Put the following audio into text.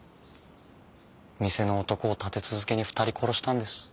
店の男を立て続けに２人殺したんです。